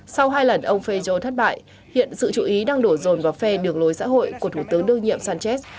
sau hai lần ông fejó thất bại hiện sự chú ý đang đổ rồn vào phe đường lối xã hội của thủ tướng đương nhiệm sánchez